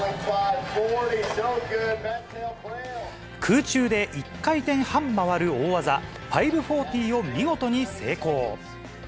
空中で１回転半回る大技、５４０を見事に成功。